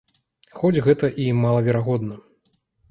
Хоць гэта і малаверагодна.